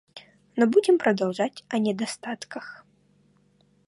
Но будем продолжать о недостатках.